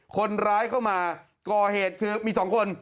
คนร้ายเข้ามาก่อเหตุคือมี๒คน